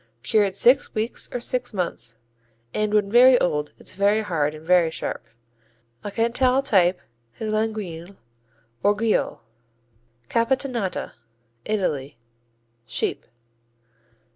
Cured six weeks or six months, and when very old it's very hard and very sharp. A Cantal type is Laguiole or Guiole. Capitanata Italy Sheep.